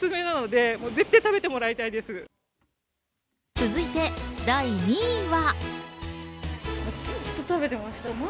続いて第２位は。